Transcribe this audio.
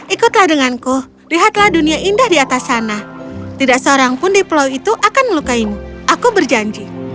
ikutlah denganku lihatlah dunia indah di atas sana tidak seorang pun di pulau itu akan melukaimu aku berjanji